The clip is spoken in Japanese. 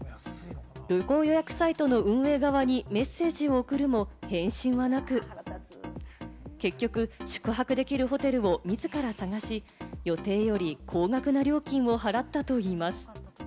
旅行予約サイトの運営側にメッセージを送るも返信はなく、結局、宿泊できるホテルを自ら探し、予定より高額な料金を払ったといいます。